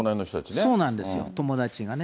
そうなんですよ、友達がね。